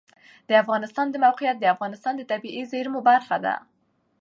د افغانستان د موقعیت د افغانستان د طبیعي زیرمو برخه ده.